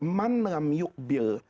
man lam yukbil